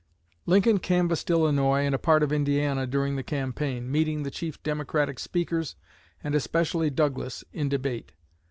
Lincoln canvassed Illinois and a part of Indiana during the campaign, meeting the chief Democratic speakers, and especially Douglas, in debate.